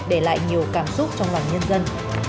để lại nhiều cảm xúc trong loài nhân dân